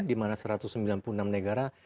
di mana satu ratus sembilan puluh enam negara